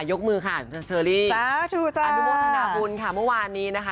ยกมือค่ะเชอรี่อนุโมทนาบุญค่ะเมื่อวานนี้นะคะ